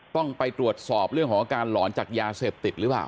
ต้องไปตรวจสอบเรื่องของอาการหลอนจากยาเสพติดหรือเปล่า